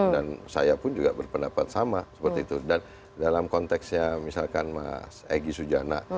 dan saya pun juga berpendapat sama seperti itu dan dalam konteksnya misalkan mas egy sujana